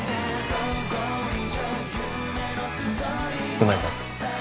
うまいか？